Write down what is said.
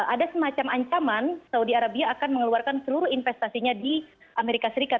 ada semacam ancaman saudi arabia akan mengeluarkan seluruh investasinya di amerika serikat